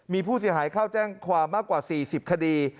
มีผู้เสียหายเข้าแจ้งความมากกว่า๔๐คดี